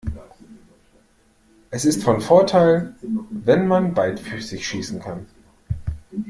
Es ist von Vorteil wenn man beidfüßig schießen kann.